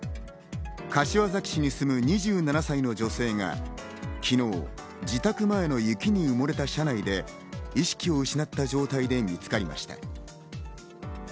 柏崎市に住む２７歳の女性が昨日、自宅前の雪に埋もれた車内で意識を失った状態で見つかりました。